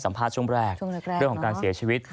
สัมภาษณ์ช่วงแรกเรื่องของการเสียชีวิต